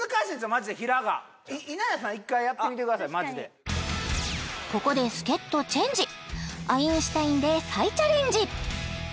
マジで「ひらっ」が稲田さん１回やってみてくださいマジでここで助っ人チェンジアインシュタインで再チャレンジ！